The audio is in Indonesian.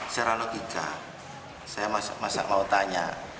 secara logika saya masa mau tanya